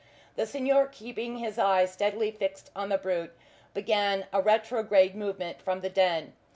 The Signor, keeping his eye steadily fixed on the brute, began a retrograde movement from the den.